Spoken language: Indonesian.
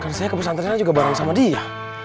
karena saya ke pesantrennya juga bareng sama dia